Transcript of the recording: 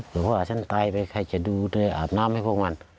บอกว่าฉันตายไปใครจะดูเธออาบน้ำให้พวกมัน